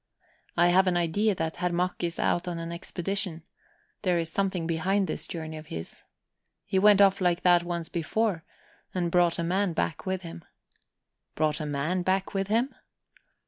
I have an idea that Herr Mack is out on an expedition; there's something behind this journey of his. He went off like that once before, and brought a man back with him." "Brought a man back with him?"